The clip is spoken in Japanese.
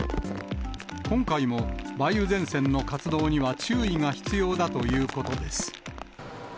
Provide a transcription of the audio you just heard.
今回も、梅雨前線の活動には注意が必要だということです。